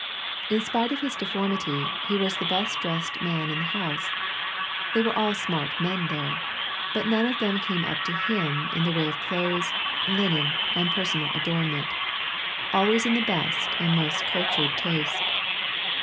In spite of his deformity, he was the best dressed man in the house they were all smart men there, but none of them came up to him in the way of clothes, linen, and personal adornment, always in the best and most cultured taste.